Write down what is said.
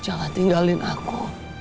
jangan tinggalin aku